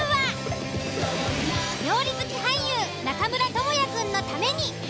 料理好き俳優中村倫也くんのために。